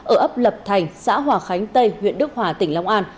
ở ấp lập thành xã hòa khánh tây huyện đức hòa tỉnh long an